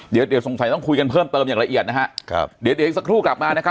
เดี๋ยวเดี๋ยวสงสัยต้องคุยกันเพิ่มเติมอย่างละเอียดนะฮะครับเดี๋ยวเดี๋ยวอีกสักครู่กลับมานะครับ